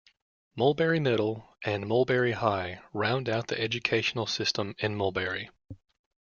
Mulberry Middle and Mulberry High round out the educational system in Mulberry.